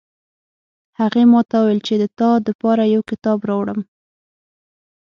هغې ماته وویل چې د تا د پاره یو کتاب راوړم